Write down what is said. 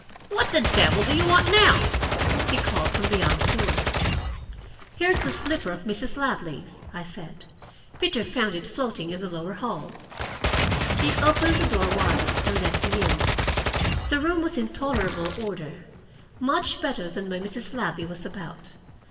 "What the devil do you want now?" he called from beyond the door. "Here's a slipper of Mrs. Ladley's," I said. "Peter found it floating in the lower hall." He opened the door wide, and let me in. The room was in tolerable order, much better than when Mrs. Ladley was about.